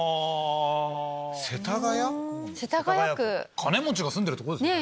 金持ちが住んでるとこですよね。